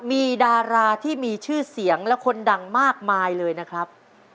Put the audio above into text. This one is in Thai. มีดาราที่มีชื่อเสียงและคนดังมากมายเลยนะครับ